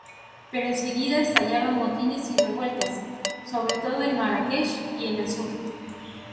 Pero enseguida estallaron motines y revueltas, sobre todo en Marrakech y en el sur.